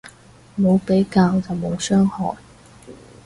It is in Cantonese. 冇比較就冇傷害